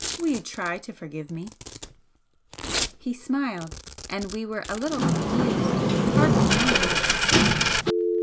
Will you try to forgive me?" He smiled and we were a little confused, hardly knowing what to say.